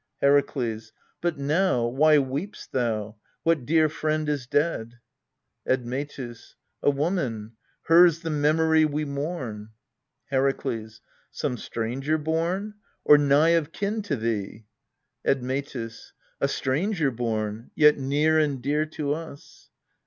Heraklcs. But now, why weep'st thou ? What dear friend is dead ? Admetus. A woman hers the memory we mourn. Heraklcs. Some stranger born, or nigh of kin to thee? Admctus. A stranger born ; yet near and dear to us.